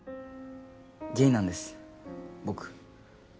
ゲイなんです僕。